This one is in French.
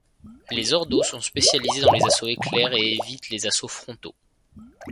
Les Ordos sont spécialisés dans les assauts éclairs et évitent les assauts frontaux.